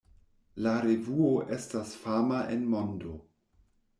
La revuo estas fama en mondo.